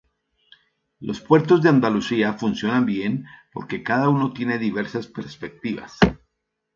Los puertos de Andalucía funcionan bien porque cada uno tiene diversas perspectivas.